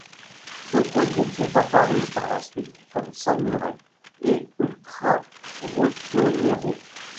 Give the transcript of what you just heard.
D'autres groupes sont apparus par la suite comme Samurai et Ultras Rossonero.